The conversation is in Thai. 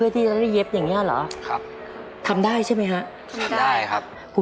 ทำได้ครับ